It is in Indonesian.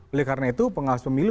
oleh karena itu pengawas pemilu